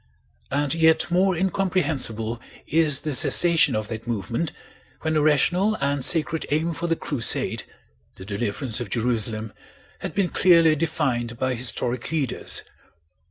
And yet more incomprehensible is the cessation of that movement when a rational and sacred aim for the Crusade—the deliverance of Jerusalem—had been clearly defined by historic leaders.